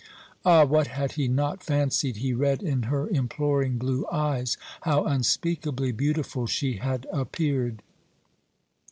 Ah, what had he not fancied he read in her imploring blue eyes! how unspeakably beautiful she had appeared!